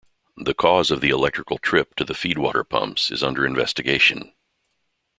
The cause of the electrical trip to the feedwater pumps is under investigation.